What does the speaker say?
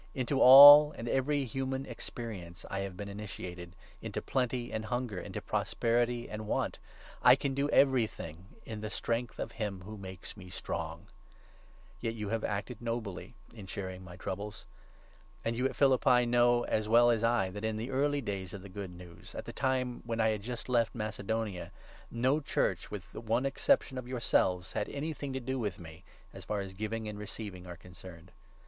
Into all and every human experience I have been initiated — into plenty and hunger, into prosperity and want. I can do 13 everything in the strength of him who makes me strong I Yet you have acted nobly in sharing my troubles. And you at 14, Phihppi know, as well as I, that in the early days of the Good News — at the time when I had just left Macedonia — no Church, with the one exception of yourselves, had anything to do with me as far as giving and receiving are concerned.